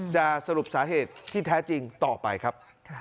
สรุปสาเหตุที่แท้จริงต่อไปครับ